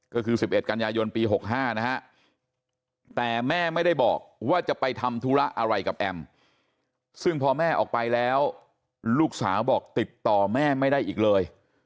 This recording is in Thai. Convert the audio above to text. ก็คือ๑๑กันยายนปี๖๕นะฮะแต่แม่ไม่ได้บอกว่าจะไปทำธุระอะไรกับแอมซึ่งพอแม่ออกไปแล้วลูกสาวบอกติดต่อแม่ไม่ได้อีกเลย